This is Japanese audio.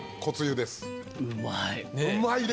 うまい。